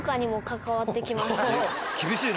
厳しいな！